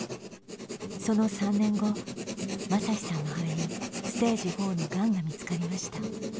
その３年後雅司さんの肺にステージⅣのがんが見つかりました。